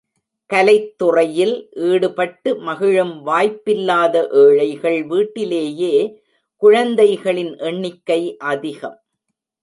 கலைத்துறையில் ஈடுபட்டு மகிழும் வாய்ப்பில்லாத ஏழைகள் வீட்டிலேயே குழந்தைகளின் எண்ணிக்கை அதிகம்.